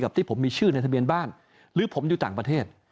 ที่ผมมีชื่อในทะเบียนบ้านหรือผมอยู่ต่างประเทศ